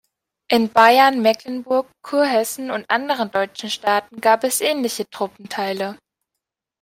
In Bayern, Mecklenburg, Kurhessen und anderen deutschen Staaten gab es ähnliche Truppenteile.